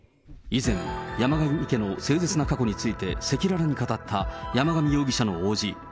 以前、山上家の凄絶な過去についての赤裸々に語った山上容疑者の伯父。